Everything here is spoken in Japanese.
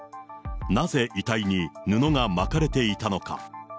なぜ遺体に布が巻かれていたのか。